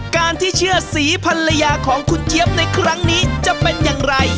การที่เชื่อสีภรรยาของคุณเจี๊ยบในครั้งนี้จะเป็นอย่างไร